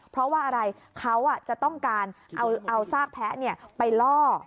เพราะว่าอะไรเขาจะต้องการเอาซากแพ้ไปล่อ